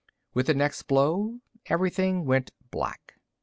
With the next blow, everything went black.